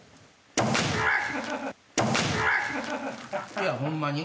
いやホンマに。